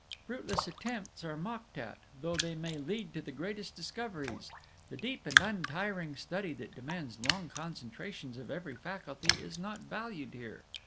Fruitless attempts are mocked at, though they may lead to the greatest discoveries; the deep and untiring study that demands long concentrations of every faculty is not valued here.